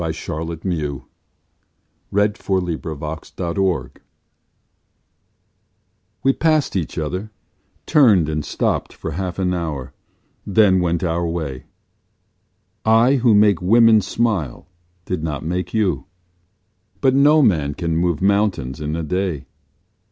Charlotte Mew On the Road to the Sea WE passed each other, turned and stopped for half an hour, then went our way, I who make other women smile did not make you But no man can move mountains in a day.